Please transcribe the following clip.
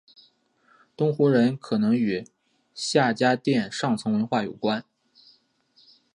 东胡人可能与夏家店上层文化相关。